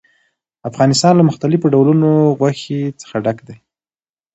افغانستان له مختلفو ډولونو غوښې څخه ډک دی.